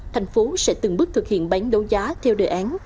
tp hcm sẽ từng bước thực hiện bán đấu giá theo đề án